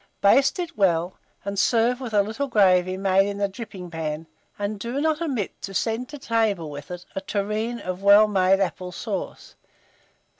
Baste it well, and serve with a little gravy made in the dripping pan, and do not omit to send to table with it a tureen of well made apple sauce.